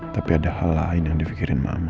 tapi ada hal lain yang dipikirin mama